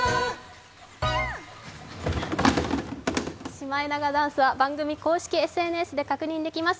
シマエナガダンスは番組公式ＳＮＳで確認できます。